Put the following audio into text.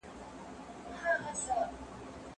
د مؤمنانو تر منځ همکارۍ د ښو کارونو سبب کېږي.